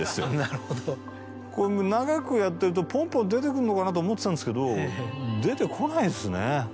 長くやってるとポンポン出てくるのかなと思ってたんですけど出てこないですね。